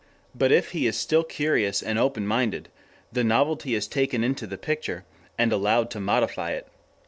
But if he is still curious and open minded, the novelty is taken into the picture, and allowed to modify it.